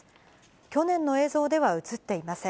去年の映像では写っていません。